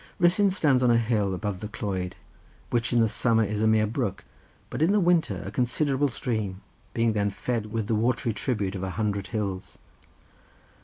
Ruthyn stands on a hill above the Clwyd, which in the summer is a mere brook, but in the winter a considerable stream, being then fed with the watery tribute of a hundred hills.